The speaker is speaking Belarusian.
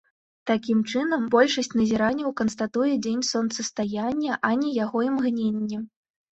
Такім чынам, большасць назіранняў канстатуе дзень сонцастаяння, а не яго імгненне.